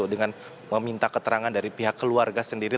dengan meminta keterangan dari pihak keluarga sendiri